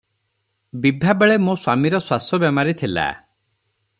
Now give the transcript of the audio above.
ବିଭାବେଳେ ମୋ ସ୍ୱାମୀର ଶ୍ୱାସ ବେମାରୀ ଥିଲା ।